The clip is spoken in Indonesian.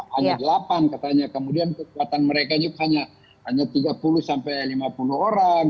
hanya delapan katanya kemudian kekuatan mereka hanya tiga puluh sampai lima puluh orang